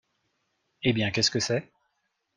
Eh bien, qu’est ce que c’est ?